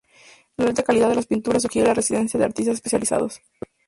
La alta calidad de las pinturas sugiere la residencia de artistas especializados.